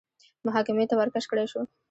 محاکمې ته ورکش کړای شو